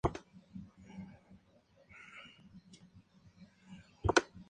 Se acostumbra comer con tortillas de harina de trigo.